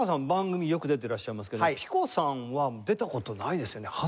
番組よく出ていらっしゃいますけどもピコさんは出た事ないですよね。